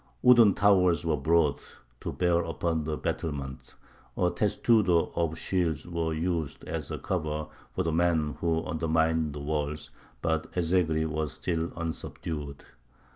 Wooden towers were brought to bear upon the battlements; a testudo of shields was used as cover for the men who undermined the walls; but Ez Zegry was still unsubdued.